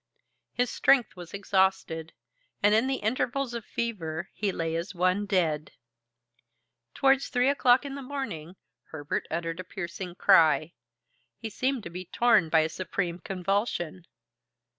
His strength was exhausted, and in the intervals of fever he lay as one dead. Towards three o'clock in the morning Herbert uttered a piercing cry. He seemed to be torn by a supreme convulsion.